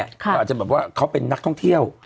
เขาอาจจะแบบว่าเขาเป็นนักท่องเที่ยว